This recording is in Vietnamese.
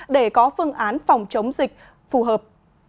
để có phương án phòng chống dịch phù hợp